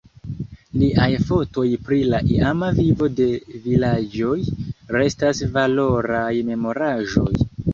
Liaj fotoj pri la iama vivo de vilaĝoj restas valoraj memoraĵoj.